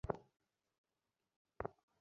Honeymoon কেমন কাটল?